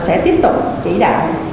sẽ tiếp tục chỉ đạo